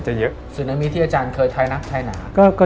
หรือหงวไฟที่เราเรียกคะ